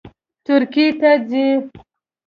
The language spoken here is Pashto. ترکیې ته ځي